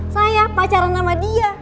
saya pacaran sama dia